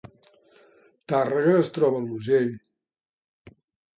Tàrrega es troba a l’Urgell